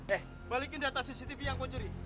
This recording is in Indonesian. eh balikin data cctv yang kau juri